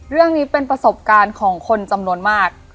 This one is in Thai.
เรื่องนี้เป็นประสบการณ์ของคนจำนวนมาก